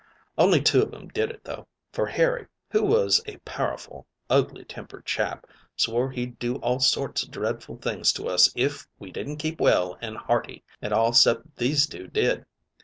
"Only two of 'em did it though, for Harry, who was a powerful, ugly tempered chap, swore he'd do all sorts o' dreadful things to us if we didn't keep well and hearty, an' all 'cept these two did.